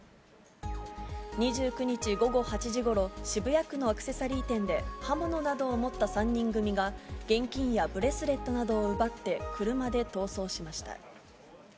２９日午後８時ごろ、渋谷区のアクセサリー店で、刃物などを持った３人組が、現金やブレスレットなどを奪って、車で逃走しました。